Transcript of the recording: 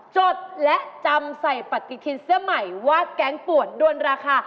จดและจำใส่ปฏิทินเสื้อใหม่ว่าแก๊งปวดด้วนราคา